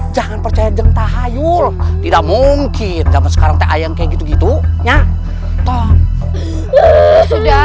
jangan percaya jentah hayul tidak mungkin zaman sekarang kayak gitu gitu nya toh sudah